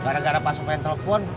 dia beli telepon